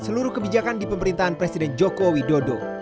seluruh kebijakan di pemerintahan presiden jokowi dodo